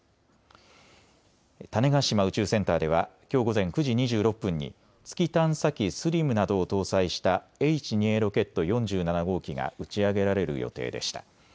種子島宇宙センターではきょう午前９時２６分に月探査機、ＳＬＩＭなどを搭載したＨ２Ａロケット４７号機が打ち上げられる予定でした。